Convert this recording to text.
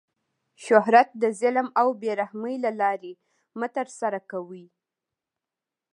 شهرت د ظلم او بې رحمۍ له لاري مه ترسره کوئ!